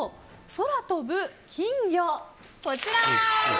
空飛ぶ金魚、こちら。